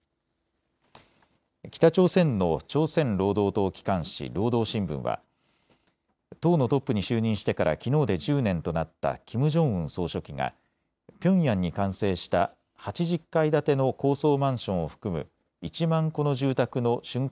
北朝鮮の朝鮮労働党機関紙、労働新聞は党のトップに就任してからきのうで１０年となったキム・ジョンウン総書記がピョンヤンに完成した８０階建ての高層マンションを含む１万戸の住宅のしゅん